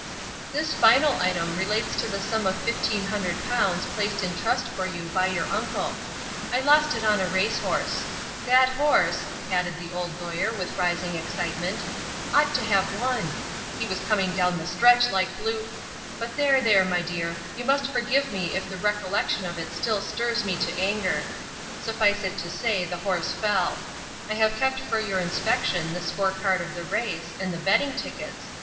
"This final item relates to the sum of fifteen hundred pounds placed in trust for you by your uncle. I lost it on a horse race. That horse," added the Old Lawyer with rising excitement, "ought to have won. He was coming down the stretch like blue but there, there, my dear, you must forgive me if the recollection of it still stirs me to anger. Suffice it to say the horse fell. I have kept for your inspection the score card of the race, and the betting tickets.